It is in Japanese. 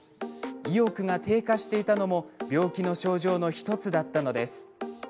意欲が低下していたのも病気の症状の１つだったのです。